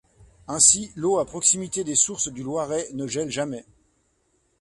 Ainsi l'eau à proximité des sources du Loiret ne gèle jamais.